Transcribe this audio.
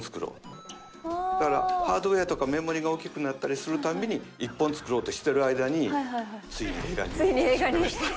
だからハードウエアとかメモリが大きくなったりするたんびに１本作ろうとしてる間についに映画になってしまいました。